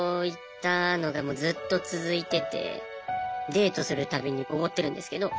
デートするたびにおごってるんですけど。